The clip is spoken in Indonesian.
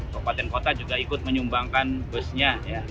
kabupaten kota juga ikut menyumbangkan busnya